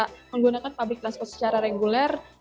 kita menggunakan public transport secara reguler